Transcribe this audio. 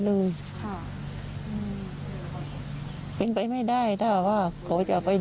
เมื่อกี้เขาไม่เคยหลับเจ้า